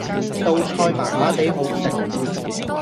道菜麻麻地好食